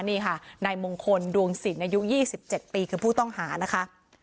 นี่ค่ะในมงคลดวงศิลป์ในยุคยี่สิบเจ็ดปีคือผู้ต้องหานะคะ